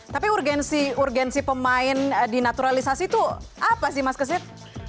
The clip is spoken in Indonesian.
tapi urgensi pemain dinaturalisasi itu apa sih mas kesit